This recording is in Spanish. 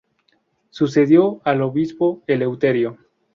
Sucedió al Obispo Eleuterio.